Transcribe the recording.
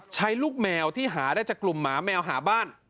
ใช้ลูกแมวที่หาได้จากกลุ่มหมาแมวหาบ้าน